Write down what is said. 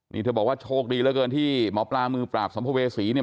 นี่เธอบอกว่าโชคดีเหลือเกินที่หมอปลามือปราบสัมภเวษีเนี่ย